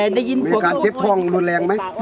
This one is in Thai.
มีการเจ็บทองแรงไหม